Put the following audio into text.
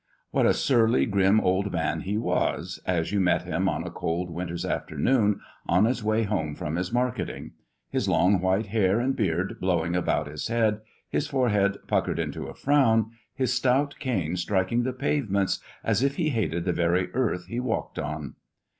What a surly, grim old man he was, as you met him on a cold winter's afternoon on his way home from his marketing; his long white hair and beard blowing about his head, his forehead puckered into a frown, his stout cane striking the pavements as if he hated the very earth he walked on!